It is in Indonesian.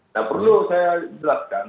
nah perlu saya jelaskan